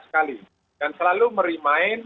sekali dan selalu merimain